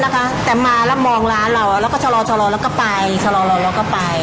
ก็จะยิ่งต่างต่อต่างไปอีก